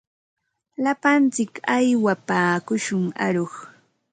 Lapantsik aywapaakushun aruq.